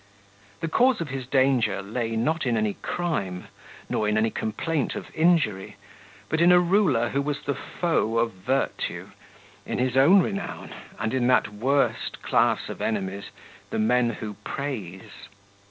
The cause of his danger lay not in any crime, nor in any complaint of injury, but in a ruler who was the foe of virtue, in his own renown, and in that worst class of enemies—the men who praise.